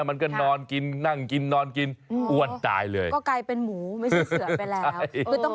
มันก็นอนกินนั่งกินนอนกินอ้วนตายเลยก็กลายเป็นหมูไม่ใช่เสือไปแล้ว